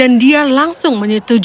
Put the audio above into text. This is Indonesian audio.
ada satu mulut